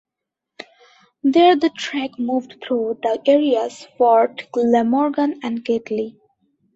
There the track moved through the areas Fort Glamorgan and Gately.